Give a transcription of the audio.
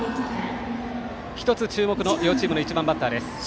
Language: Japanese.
１つ注目の両チームの１番バッターです。